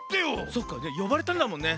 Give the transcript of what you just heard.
そっかよばれたんだもんね。